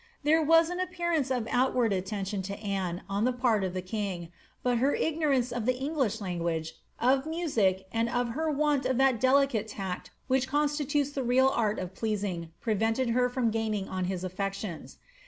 There was an appearance of outward attention to Anne on the part of the king, but her ignorance of the English language, of music, and her want ot' that delicate tact which constitutes the real art of pleasing, pre vented her from gaining on his affections.